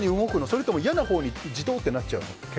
それとも嫌なほうにジトーッてなっちゃうの？